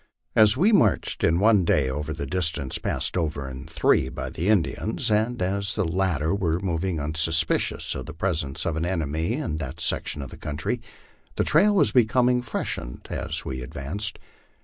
As we marched in one day over the distance passed over in three by the Indians, and as the latter were mov ing unsuspicious of the presence of an enemy in that section of the country, the trail was becoming freshened as we advanced.